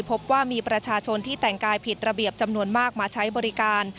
พบว่ามีประชาชนที่แต่งกายผิดระเบียบจำนวนมากมาใช้บริการ